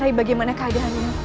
rai bagaimana keadaannya